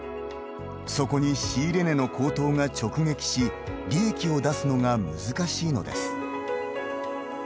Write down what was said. そこに仕入れ値の高騰が直撃し利益を出すのが難しいのです。